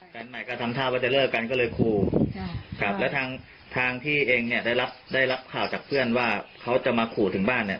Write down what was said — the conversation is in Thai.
แฟนใหม่ก็ทำท่าว่าจะเลิกกันก็เลยขู่ครับแล้วทางทางพี่เองเนี่ยได้รับได้รับข่าวจากเพื่อนว่าเขาจะมาขู่ถึงบ้านเนี่ย